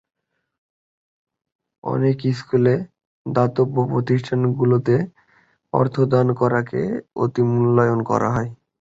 অনেক স্কুলে, দাতব্য প্রতিষ্ঠানগুলোতে অর্থ দান করাকে অতিমূল্যায়ন করা হয়।